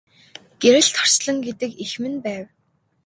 Гэрэлт орчлон гэдэг эх минь байв.